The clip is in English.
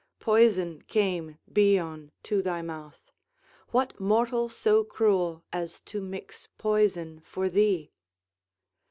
Poison came, Bion, to thy mouth. What mortal so cruel as to mix poison for thee!"